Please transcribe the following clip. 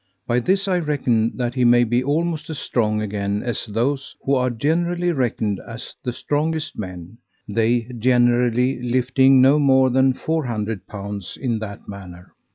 By this I reckon that he may be almost as strong again as those who are generally reckoned as the strongest men, they generally lifting no more than 400 lib. in that manner.